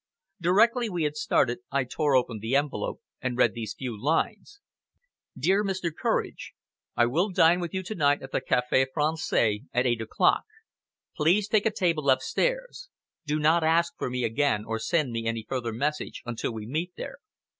Directly we had started, I tore open the envelope and read these few lines. "DEAR MR. COURAGE, "I will dine with you to night at the Café Français at eight o'clock. Please take a table upstairs. Do not ask for me again or send me any further message until we meet there.